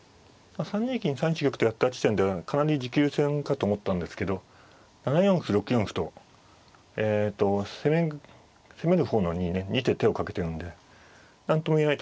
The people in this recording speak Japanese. ３二銀３一玉とやった時点でかなり持久戦かと思ったんですけど７四歩６四歩とえと攻める方に２手手をかけてるんで何とも言えないとこですね。